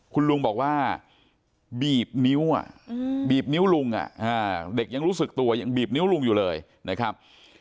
คุณลุงบอกว่าบีบนิ้วบีบนิ้วลุงเด็กยังรู้สึกตัวยังบีบนิ้วลุงอยู่เลยนะครับ